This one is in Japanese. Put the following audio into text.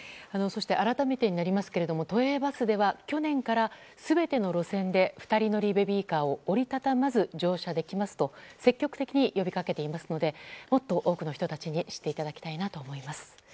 そして、改めてになりますが都営バスでは去年から全ての路線で２人乗りベビーカーを折り畳まず乗車できますと積極的に呼びかけていますのでもっと多くの人たちに知っていただきたいなと思います。